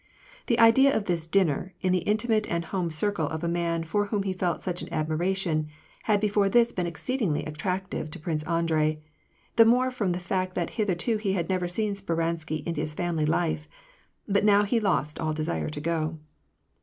The idea of this dinner, in the intimate and home circle of a man for whom he felt such an admiration, had before this been exceedingly attractive to Prince Andrei, the more from the fact that hitherto he had never seen Speransky in his family life ; but now he lost all desire to go.